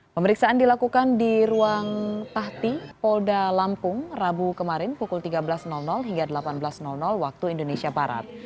pemeriksaan dilakukan di ruang pahti polda lampung rabu kemarin pukul tiga belas hingga delapan belas waktu indonesia barat